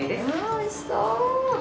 おいしそう！